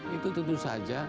itu tentu saja